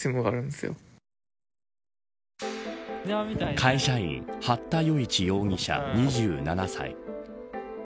会社員、八田与一容疑者２７歳。